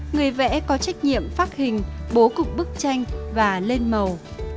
người vẽ có trách nhiệm phát hình bố cục bức tranh và lên màu